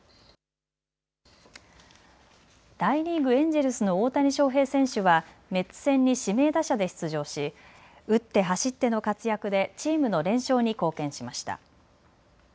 大リーグ、エンジェルスの大谷翔平選手はメッツ戦に指名打者で出場し打って走っての活躍でチームの連勝に貢献しました。